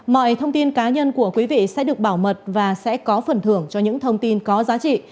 mọi thông tin cá nhân của quý vị sẽ được bảo mật và sẽ có phần thưởng cho những thông tin có giá trị